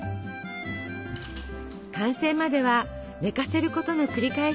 完成までは寝かせることの繰り返し。